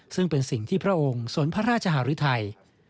ซึ่งเป็นสิ่งที่พระองค์สนพระราชหารุทัย